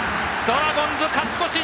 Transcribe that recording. ドラゴンズ勝ち越し！